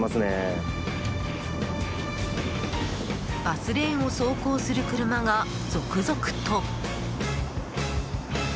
バスレーンを走行する車が続々と。